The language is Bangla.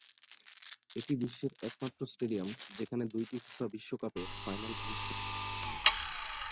এটি বিশ্বের একমাত্র স্টেডিয়াম যেখানে দুইটি ফিফা বিশ্বকাপের ফাইনাল অনুষ্ঠিত হয়েছে।